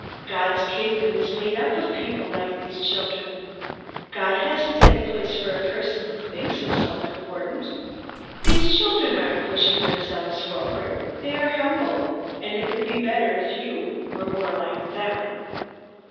God's Kingdom is made up of people like these children. God hasn't any place for a person who thinks himself important. These children aren't pushing themselves forward. They are humble, and it would be better if you were more like them!"